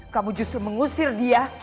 kamu justru mengusir dia